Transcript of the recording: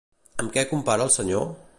Amb què compara el senyor?